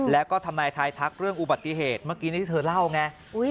แล้วก็ทำนายทายทักเรื่องอุบัติเหตุเมื่อกี้ที่เธอเล่าไง